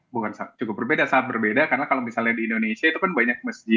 bukan cukup berbeda sangat berbeda karena kalau misalnya di indonesia itu kan banyak masjid